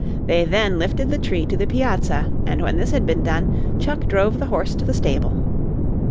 They then lifted the tree to the piazza and when this had been done Chuck drove the horse to the stable.